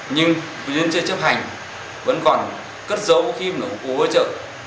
nhưng vẫn chưa chấp hành vẫn còn cất giấu khí nổng cú hỗ trợ